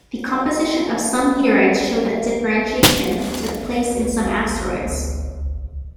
The composition of some meteorites show that differentiation took place in some asteroids.